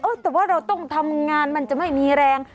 แต่ว่าเราต้องทำงานมันจะไม่มีแรง